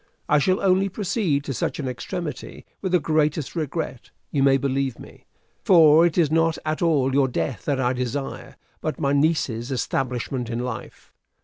I shall only proceed to such an extremity with the greatest regret, you may believe me. For it is not at all your death that I desire, but my niece's establishment in life.